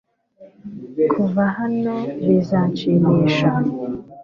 kuva hano bizanshimisha